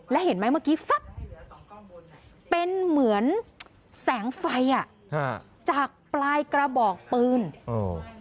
แล้วเห็นไหมเมื่อกี้ฟักเป็นเหมือนแสงไฟอ่ะฮะจากปลายกระบอกปืนเออ